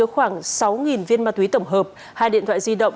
khoảng sáu viên ma túy tổng hợp hai điện thoại di động